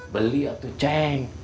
beli atu ceng